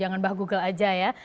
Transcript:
jangan mbah google aja ya